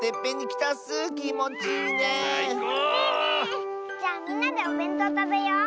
きもちいいね。じゃあみんなでおべんとうたべよう。